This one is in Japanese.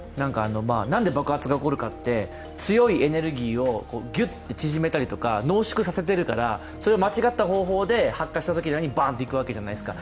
なんで爆発が起こるかって、強いエネルギーをギュッと縮めたりとか、濃縮させているから、間違った方法で発散したときにバッといくわけじゃないですか。